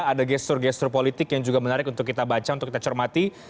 ada gestur gestur politik yang juga menarik untuk kita baca untuk kita cermati